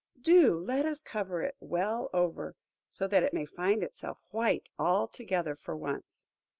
Do let us cover it well over, so that it may find itself white altogether for once!"